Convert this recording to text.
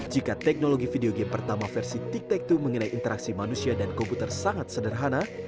jika teknologi video game pertama versi tiktok dua mengenai interaksi manusia dan komputer sangat sederhana